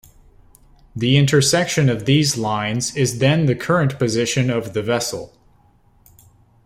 The intersection of these lines is then the current position of the vessel.